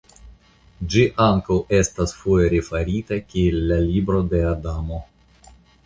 Ĝi ankaŭ estas foje referita kiel la "Libro de Adamo".